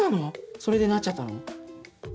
それでなっちゃったの？